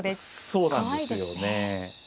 そうなんですよね。